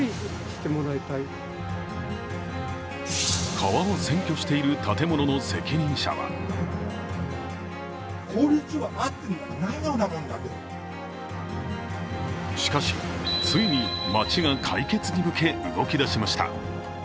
川を占拠している建物の責任者はしかし、ついに町が解決に向け動きだしました。